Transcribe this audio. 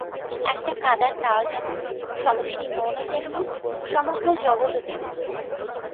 একটা কাদার তাল যেমন, সমষ্টিমনও তেমনি, সমগ্র জগৎও তেমনি।